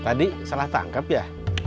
tadi salah tangkap ya